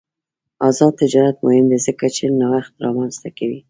آزاد تجارت مهم دی ځکه چې نوښت رامنځته کوي.